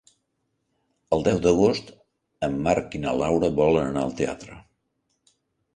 El deu d'agost en Marc i na Laura volen anar al teatre.